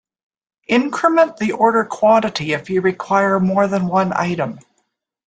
Increment the order quantity if you require more than one item.